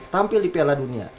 tampil di piala dunia